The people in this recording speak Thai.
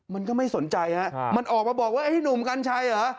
มันก็ไม่สนใจฮะมันออกมาบอกว่าไอ้หนุ่มกัญชัยเหรอ